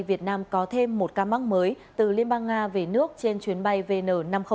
việt nam có thêm một ca mắc mới từ liên bang nga về nước trên chuyến bay vn năm nghìn sáu mươi hai